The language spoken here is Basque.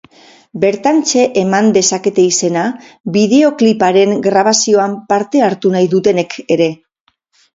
Bertantxe eman dezakete izena bideokliparen grabazioan parte hartu nahi dutenek ere.